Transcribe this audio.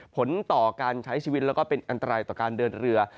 ผลต่อการใช้ชีวิตแล้วก็เป็นอันตรายต่อการเดินเรือ